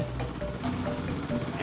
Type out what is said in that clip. susah ya kalo belum kajian